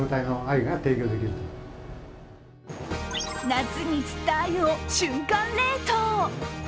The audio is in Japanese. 夏に釣ったあゆを瞬間冷凍。